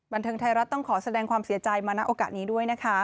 บันเทิงไทยรัฐต้องขอแสดงความเสียใจมาณโอกาสนี้ด้วยนะคะ